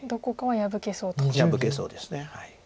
破けそうです。